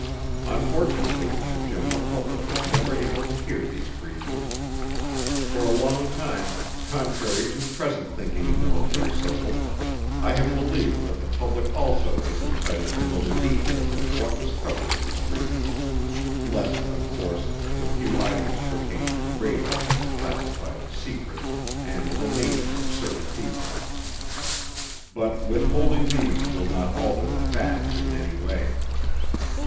Unfortunately the general public was never able to hear these briefings. For a long time, contrary to present thinking in military circles, I have believed that the public also is entitled to know the details of what was covered in these briefings (less, of course, the few items pertaining to radar that were classified "Secret," and the names of certain people). But withholding these will not alter the facts in any way.